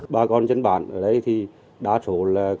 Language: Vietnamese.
ba con tránh bản ở đấy thì đa số là